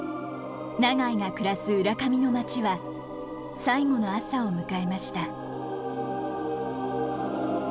永井が暮らす浦上の町は最後の朝を迎えました。